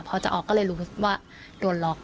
พอจะออกก็เลยรู้สึกว่าโดนล็อก